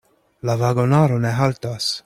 La vagonaro ne haltas.